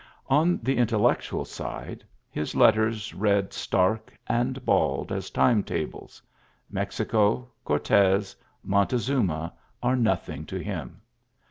On the intellectual side, his letters read stark and bald as time tables. Mexico, Ck)rtez, Montezuma^ are noth ing to him.